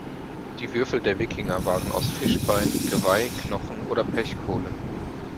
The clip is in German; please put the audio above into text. Die Würfel der Wikinger waren aus Fischbein, Geweih, Knochen oder Pechkohle.